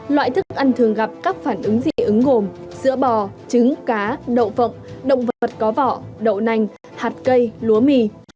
loại thức ăn thường gặp các phản ứng dị ứng gồm sữa bò trứng cá đậu phộng động vật có vọ đậu nành hạt cây lúa mì